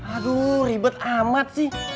aduh ribet amat sih